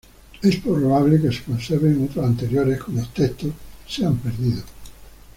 Es probable que se conserven otras anteriores cuyos textos se han perdido.